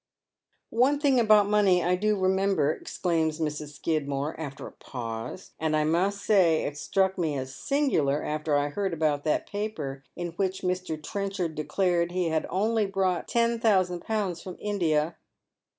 " One thing about money I do remember," exclaims Jlrs. Skinner after a pause ;" and I must say it struck me as singula! after I'd heard about that paper in which Mr. Trenchard declared he had only brought ten thousand pounds from India."